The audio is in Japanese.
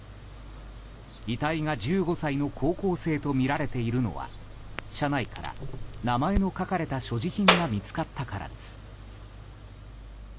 遺体が１５歳の高校生とみられているのは車内から名前の書かれた所持品が見つかったからです。